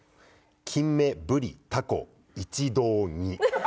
金目、ブリ、タコ一同煮。